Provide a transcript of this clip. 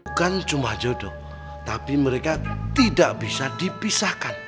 bukan cuma jodoh tapi mereka tidak bisa dipisahkan